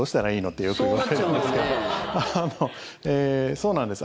そうなんです。